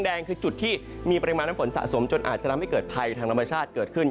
แดงคือจุดที่มีปริมาณน้ำฝนสะสมจนอาจจะทำให้เกิดภัยทางธรรมชาติเกิดขึ้น